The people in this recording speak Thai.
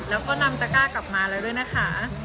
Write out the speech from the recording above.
แล้วก็นำตะก้ากลับมาแล้วด้วยนะคะ